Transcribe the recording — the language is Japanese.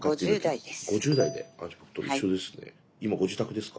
今ご自宅ですか？